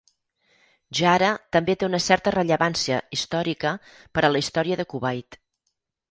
Jahra també té una certa rellevància històrica per a la història de Kuwait.